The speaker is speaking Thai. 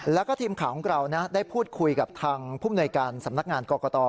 แล้วก็ทีมข่าวของเราได้พูดคุยกับทางภูมิหน่วยการสำนักงานกรกต